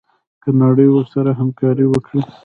که نړۍ ورسره همکاري وکړي.